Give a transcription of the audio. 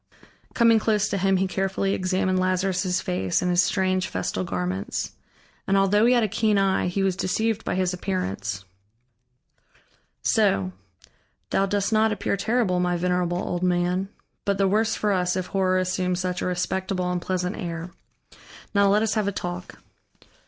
Coming close to him, he carefully examined Lazarus' face and his strange festal garments. And although he had a keen eye, he was deceived by his appearance. "So. Thou dost not appear terrible, my venerable old man. But the worse for us, if horror assumes such a respectable and pleasant air. Now let us have a talk."